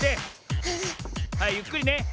はいゆっくりね。